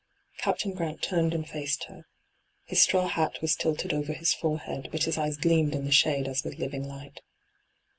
Captain Gh ant turned and faced her. His straw hat was tilted over his forehead, but hia eyes gleamed in the shade as with living light.